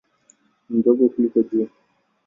Ni ndogo kuliko Jua.